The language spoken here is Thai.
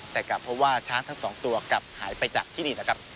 แต่กลับเพราะว่าช้างทั้งสองตัวกลับหายไปจากที่นี่นะครับ